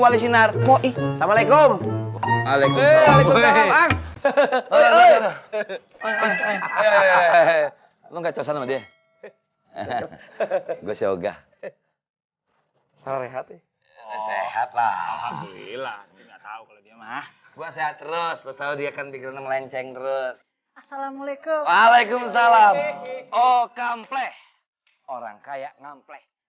langsung lenceng terus assalamualaikum waalaikumsalam oh kample orang kaya ngample